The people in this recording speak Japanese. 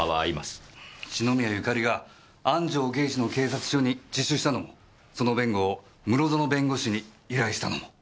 篠宮ゆかりが安城刑事の警察署に自首したのもその弁護を室園弁護士に依頼したのも。